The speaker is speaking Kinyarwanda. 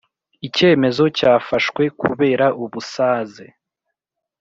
Icyemezo cyafashwe kubera ubusaze